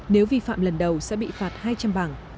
nếu vi phạm lần đầu sẽ bị phạt hai trăm linh bảng